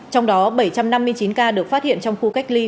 trong đó bảy trăm năm mươi chín ca được phát hiện trong khu cách ly